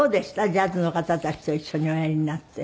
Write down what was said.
ジャズの方たちと一緒におやりになって。